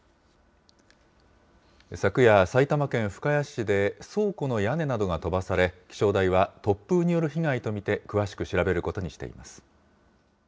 昨夜、埼玉県深谷市で倉庫の屋根などが飛ばされ、気象台は突風による被害と見て詳しく調べることにしています。